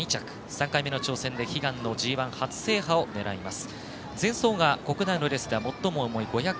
３回目の挑戦で悲願のＧＩ初制覇を狙います。